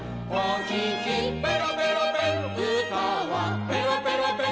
「お聞きペロペロペン歌はペロペロペン」